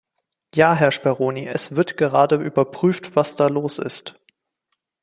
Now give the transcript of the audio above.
Ja, Herr Speroni, es wird gerade überprüft, was da los ist.